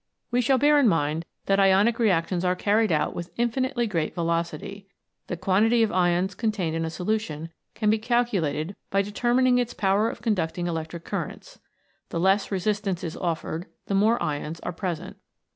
We shall bear in mind that ionic reactions are carried out with infinitely great velocity. The quantity of ions contained in a solution can be calculated by determining its power of conducting electric currents. The less resistance is offered the more ions are present.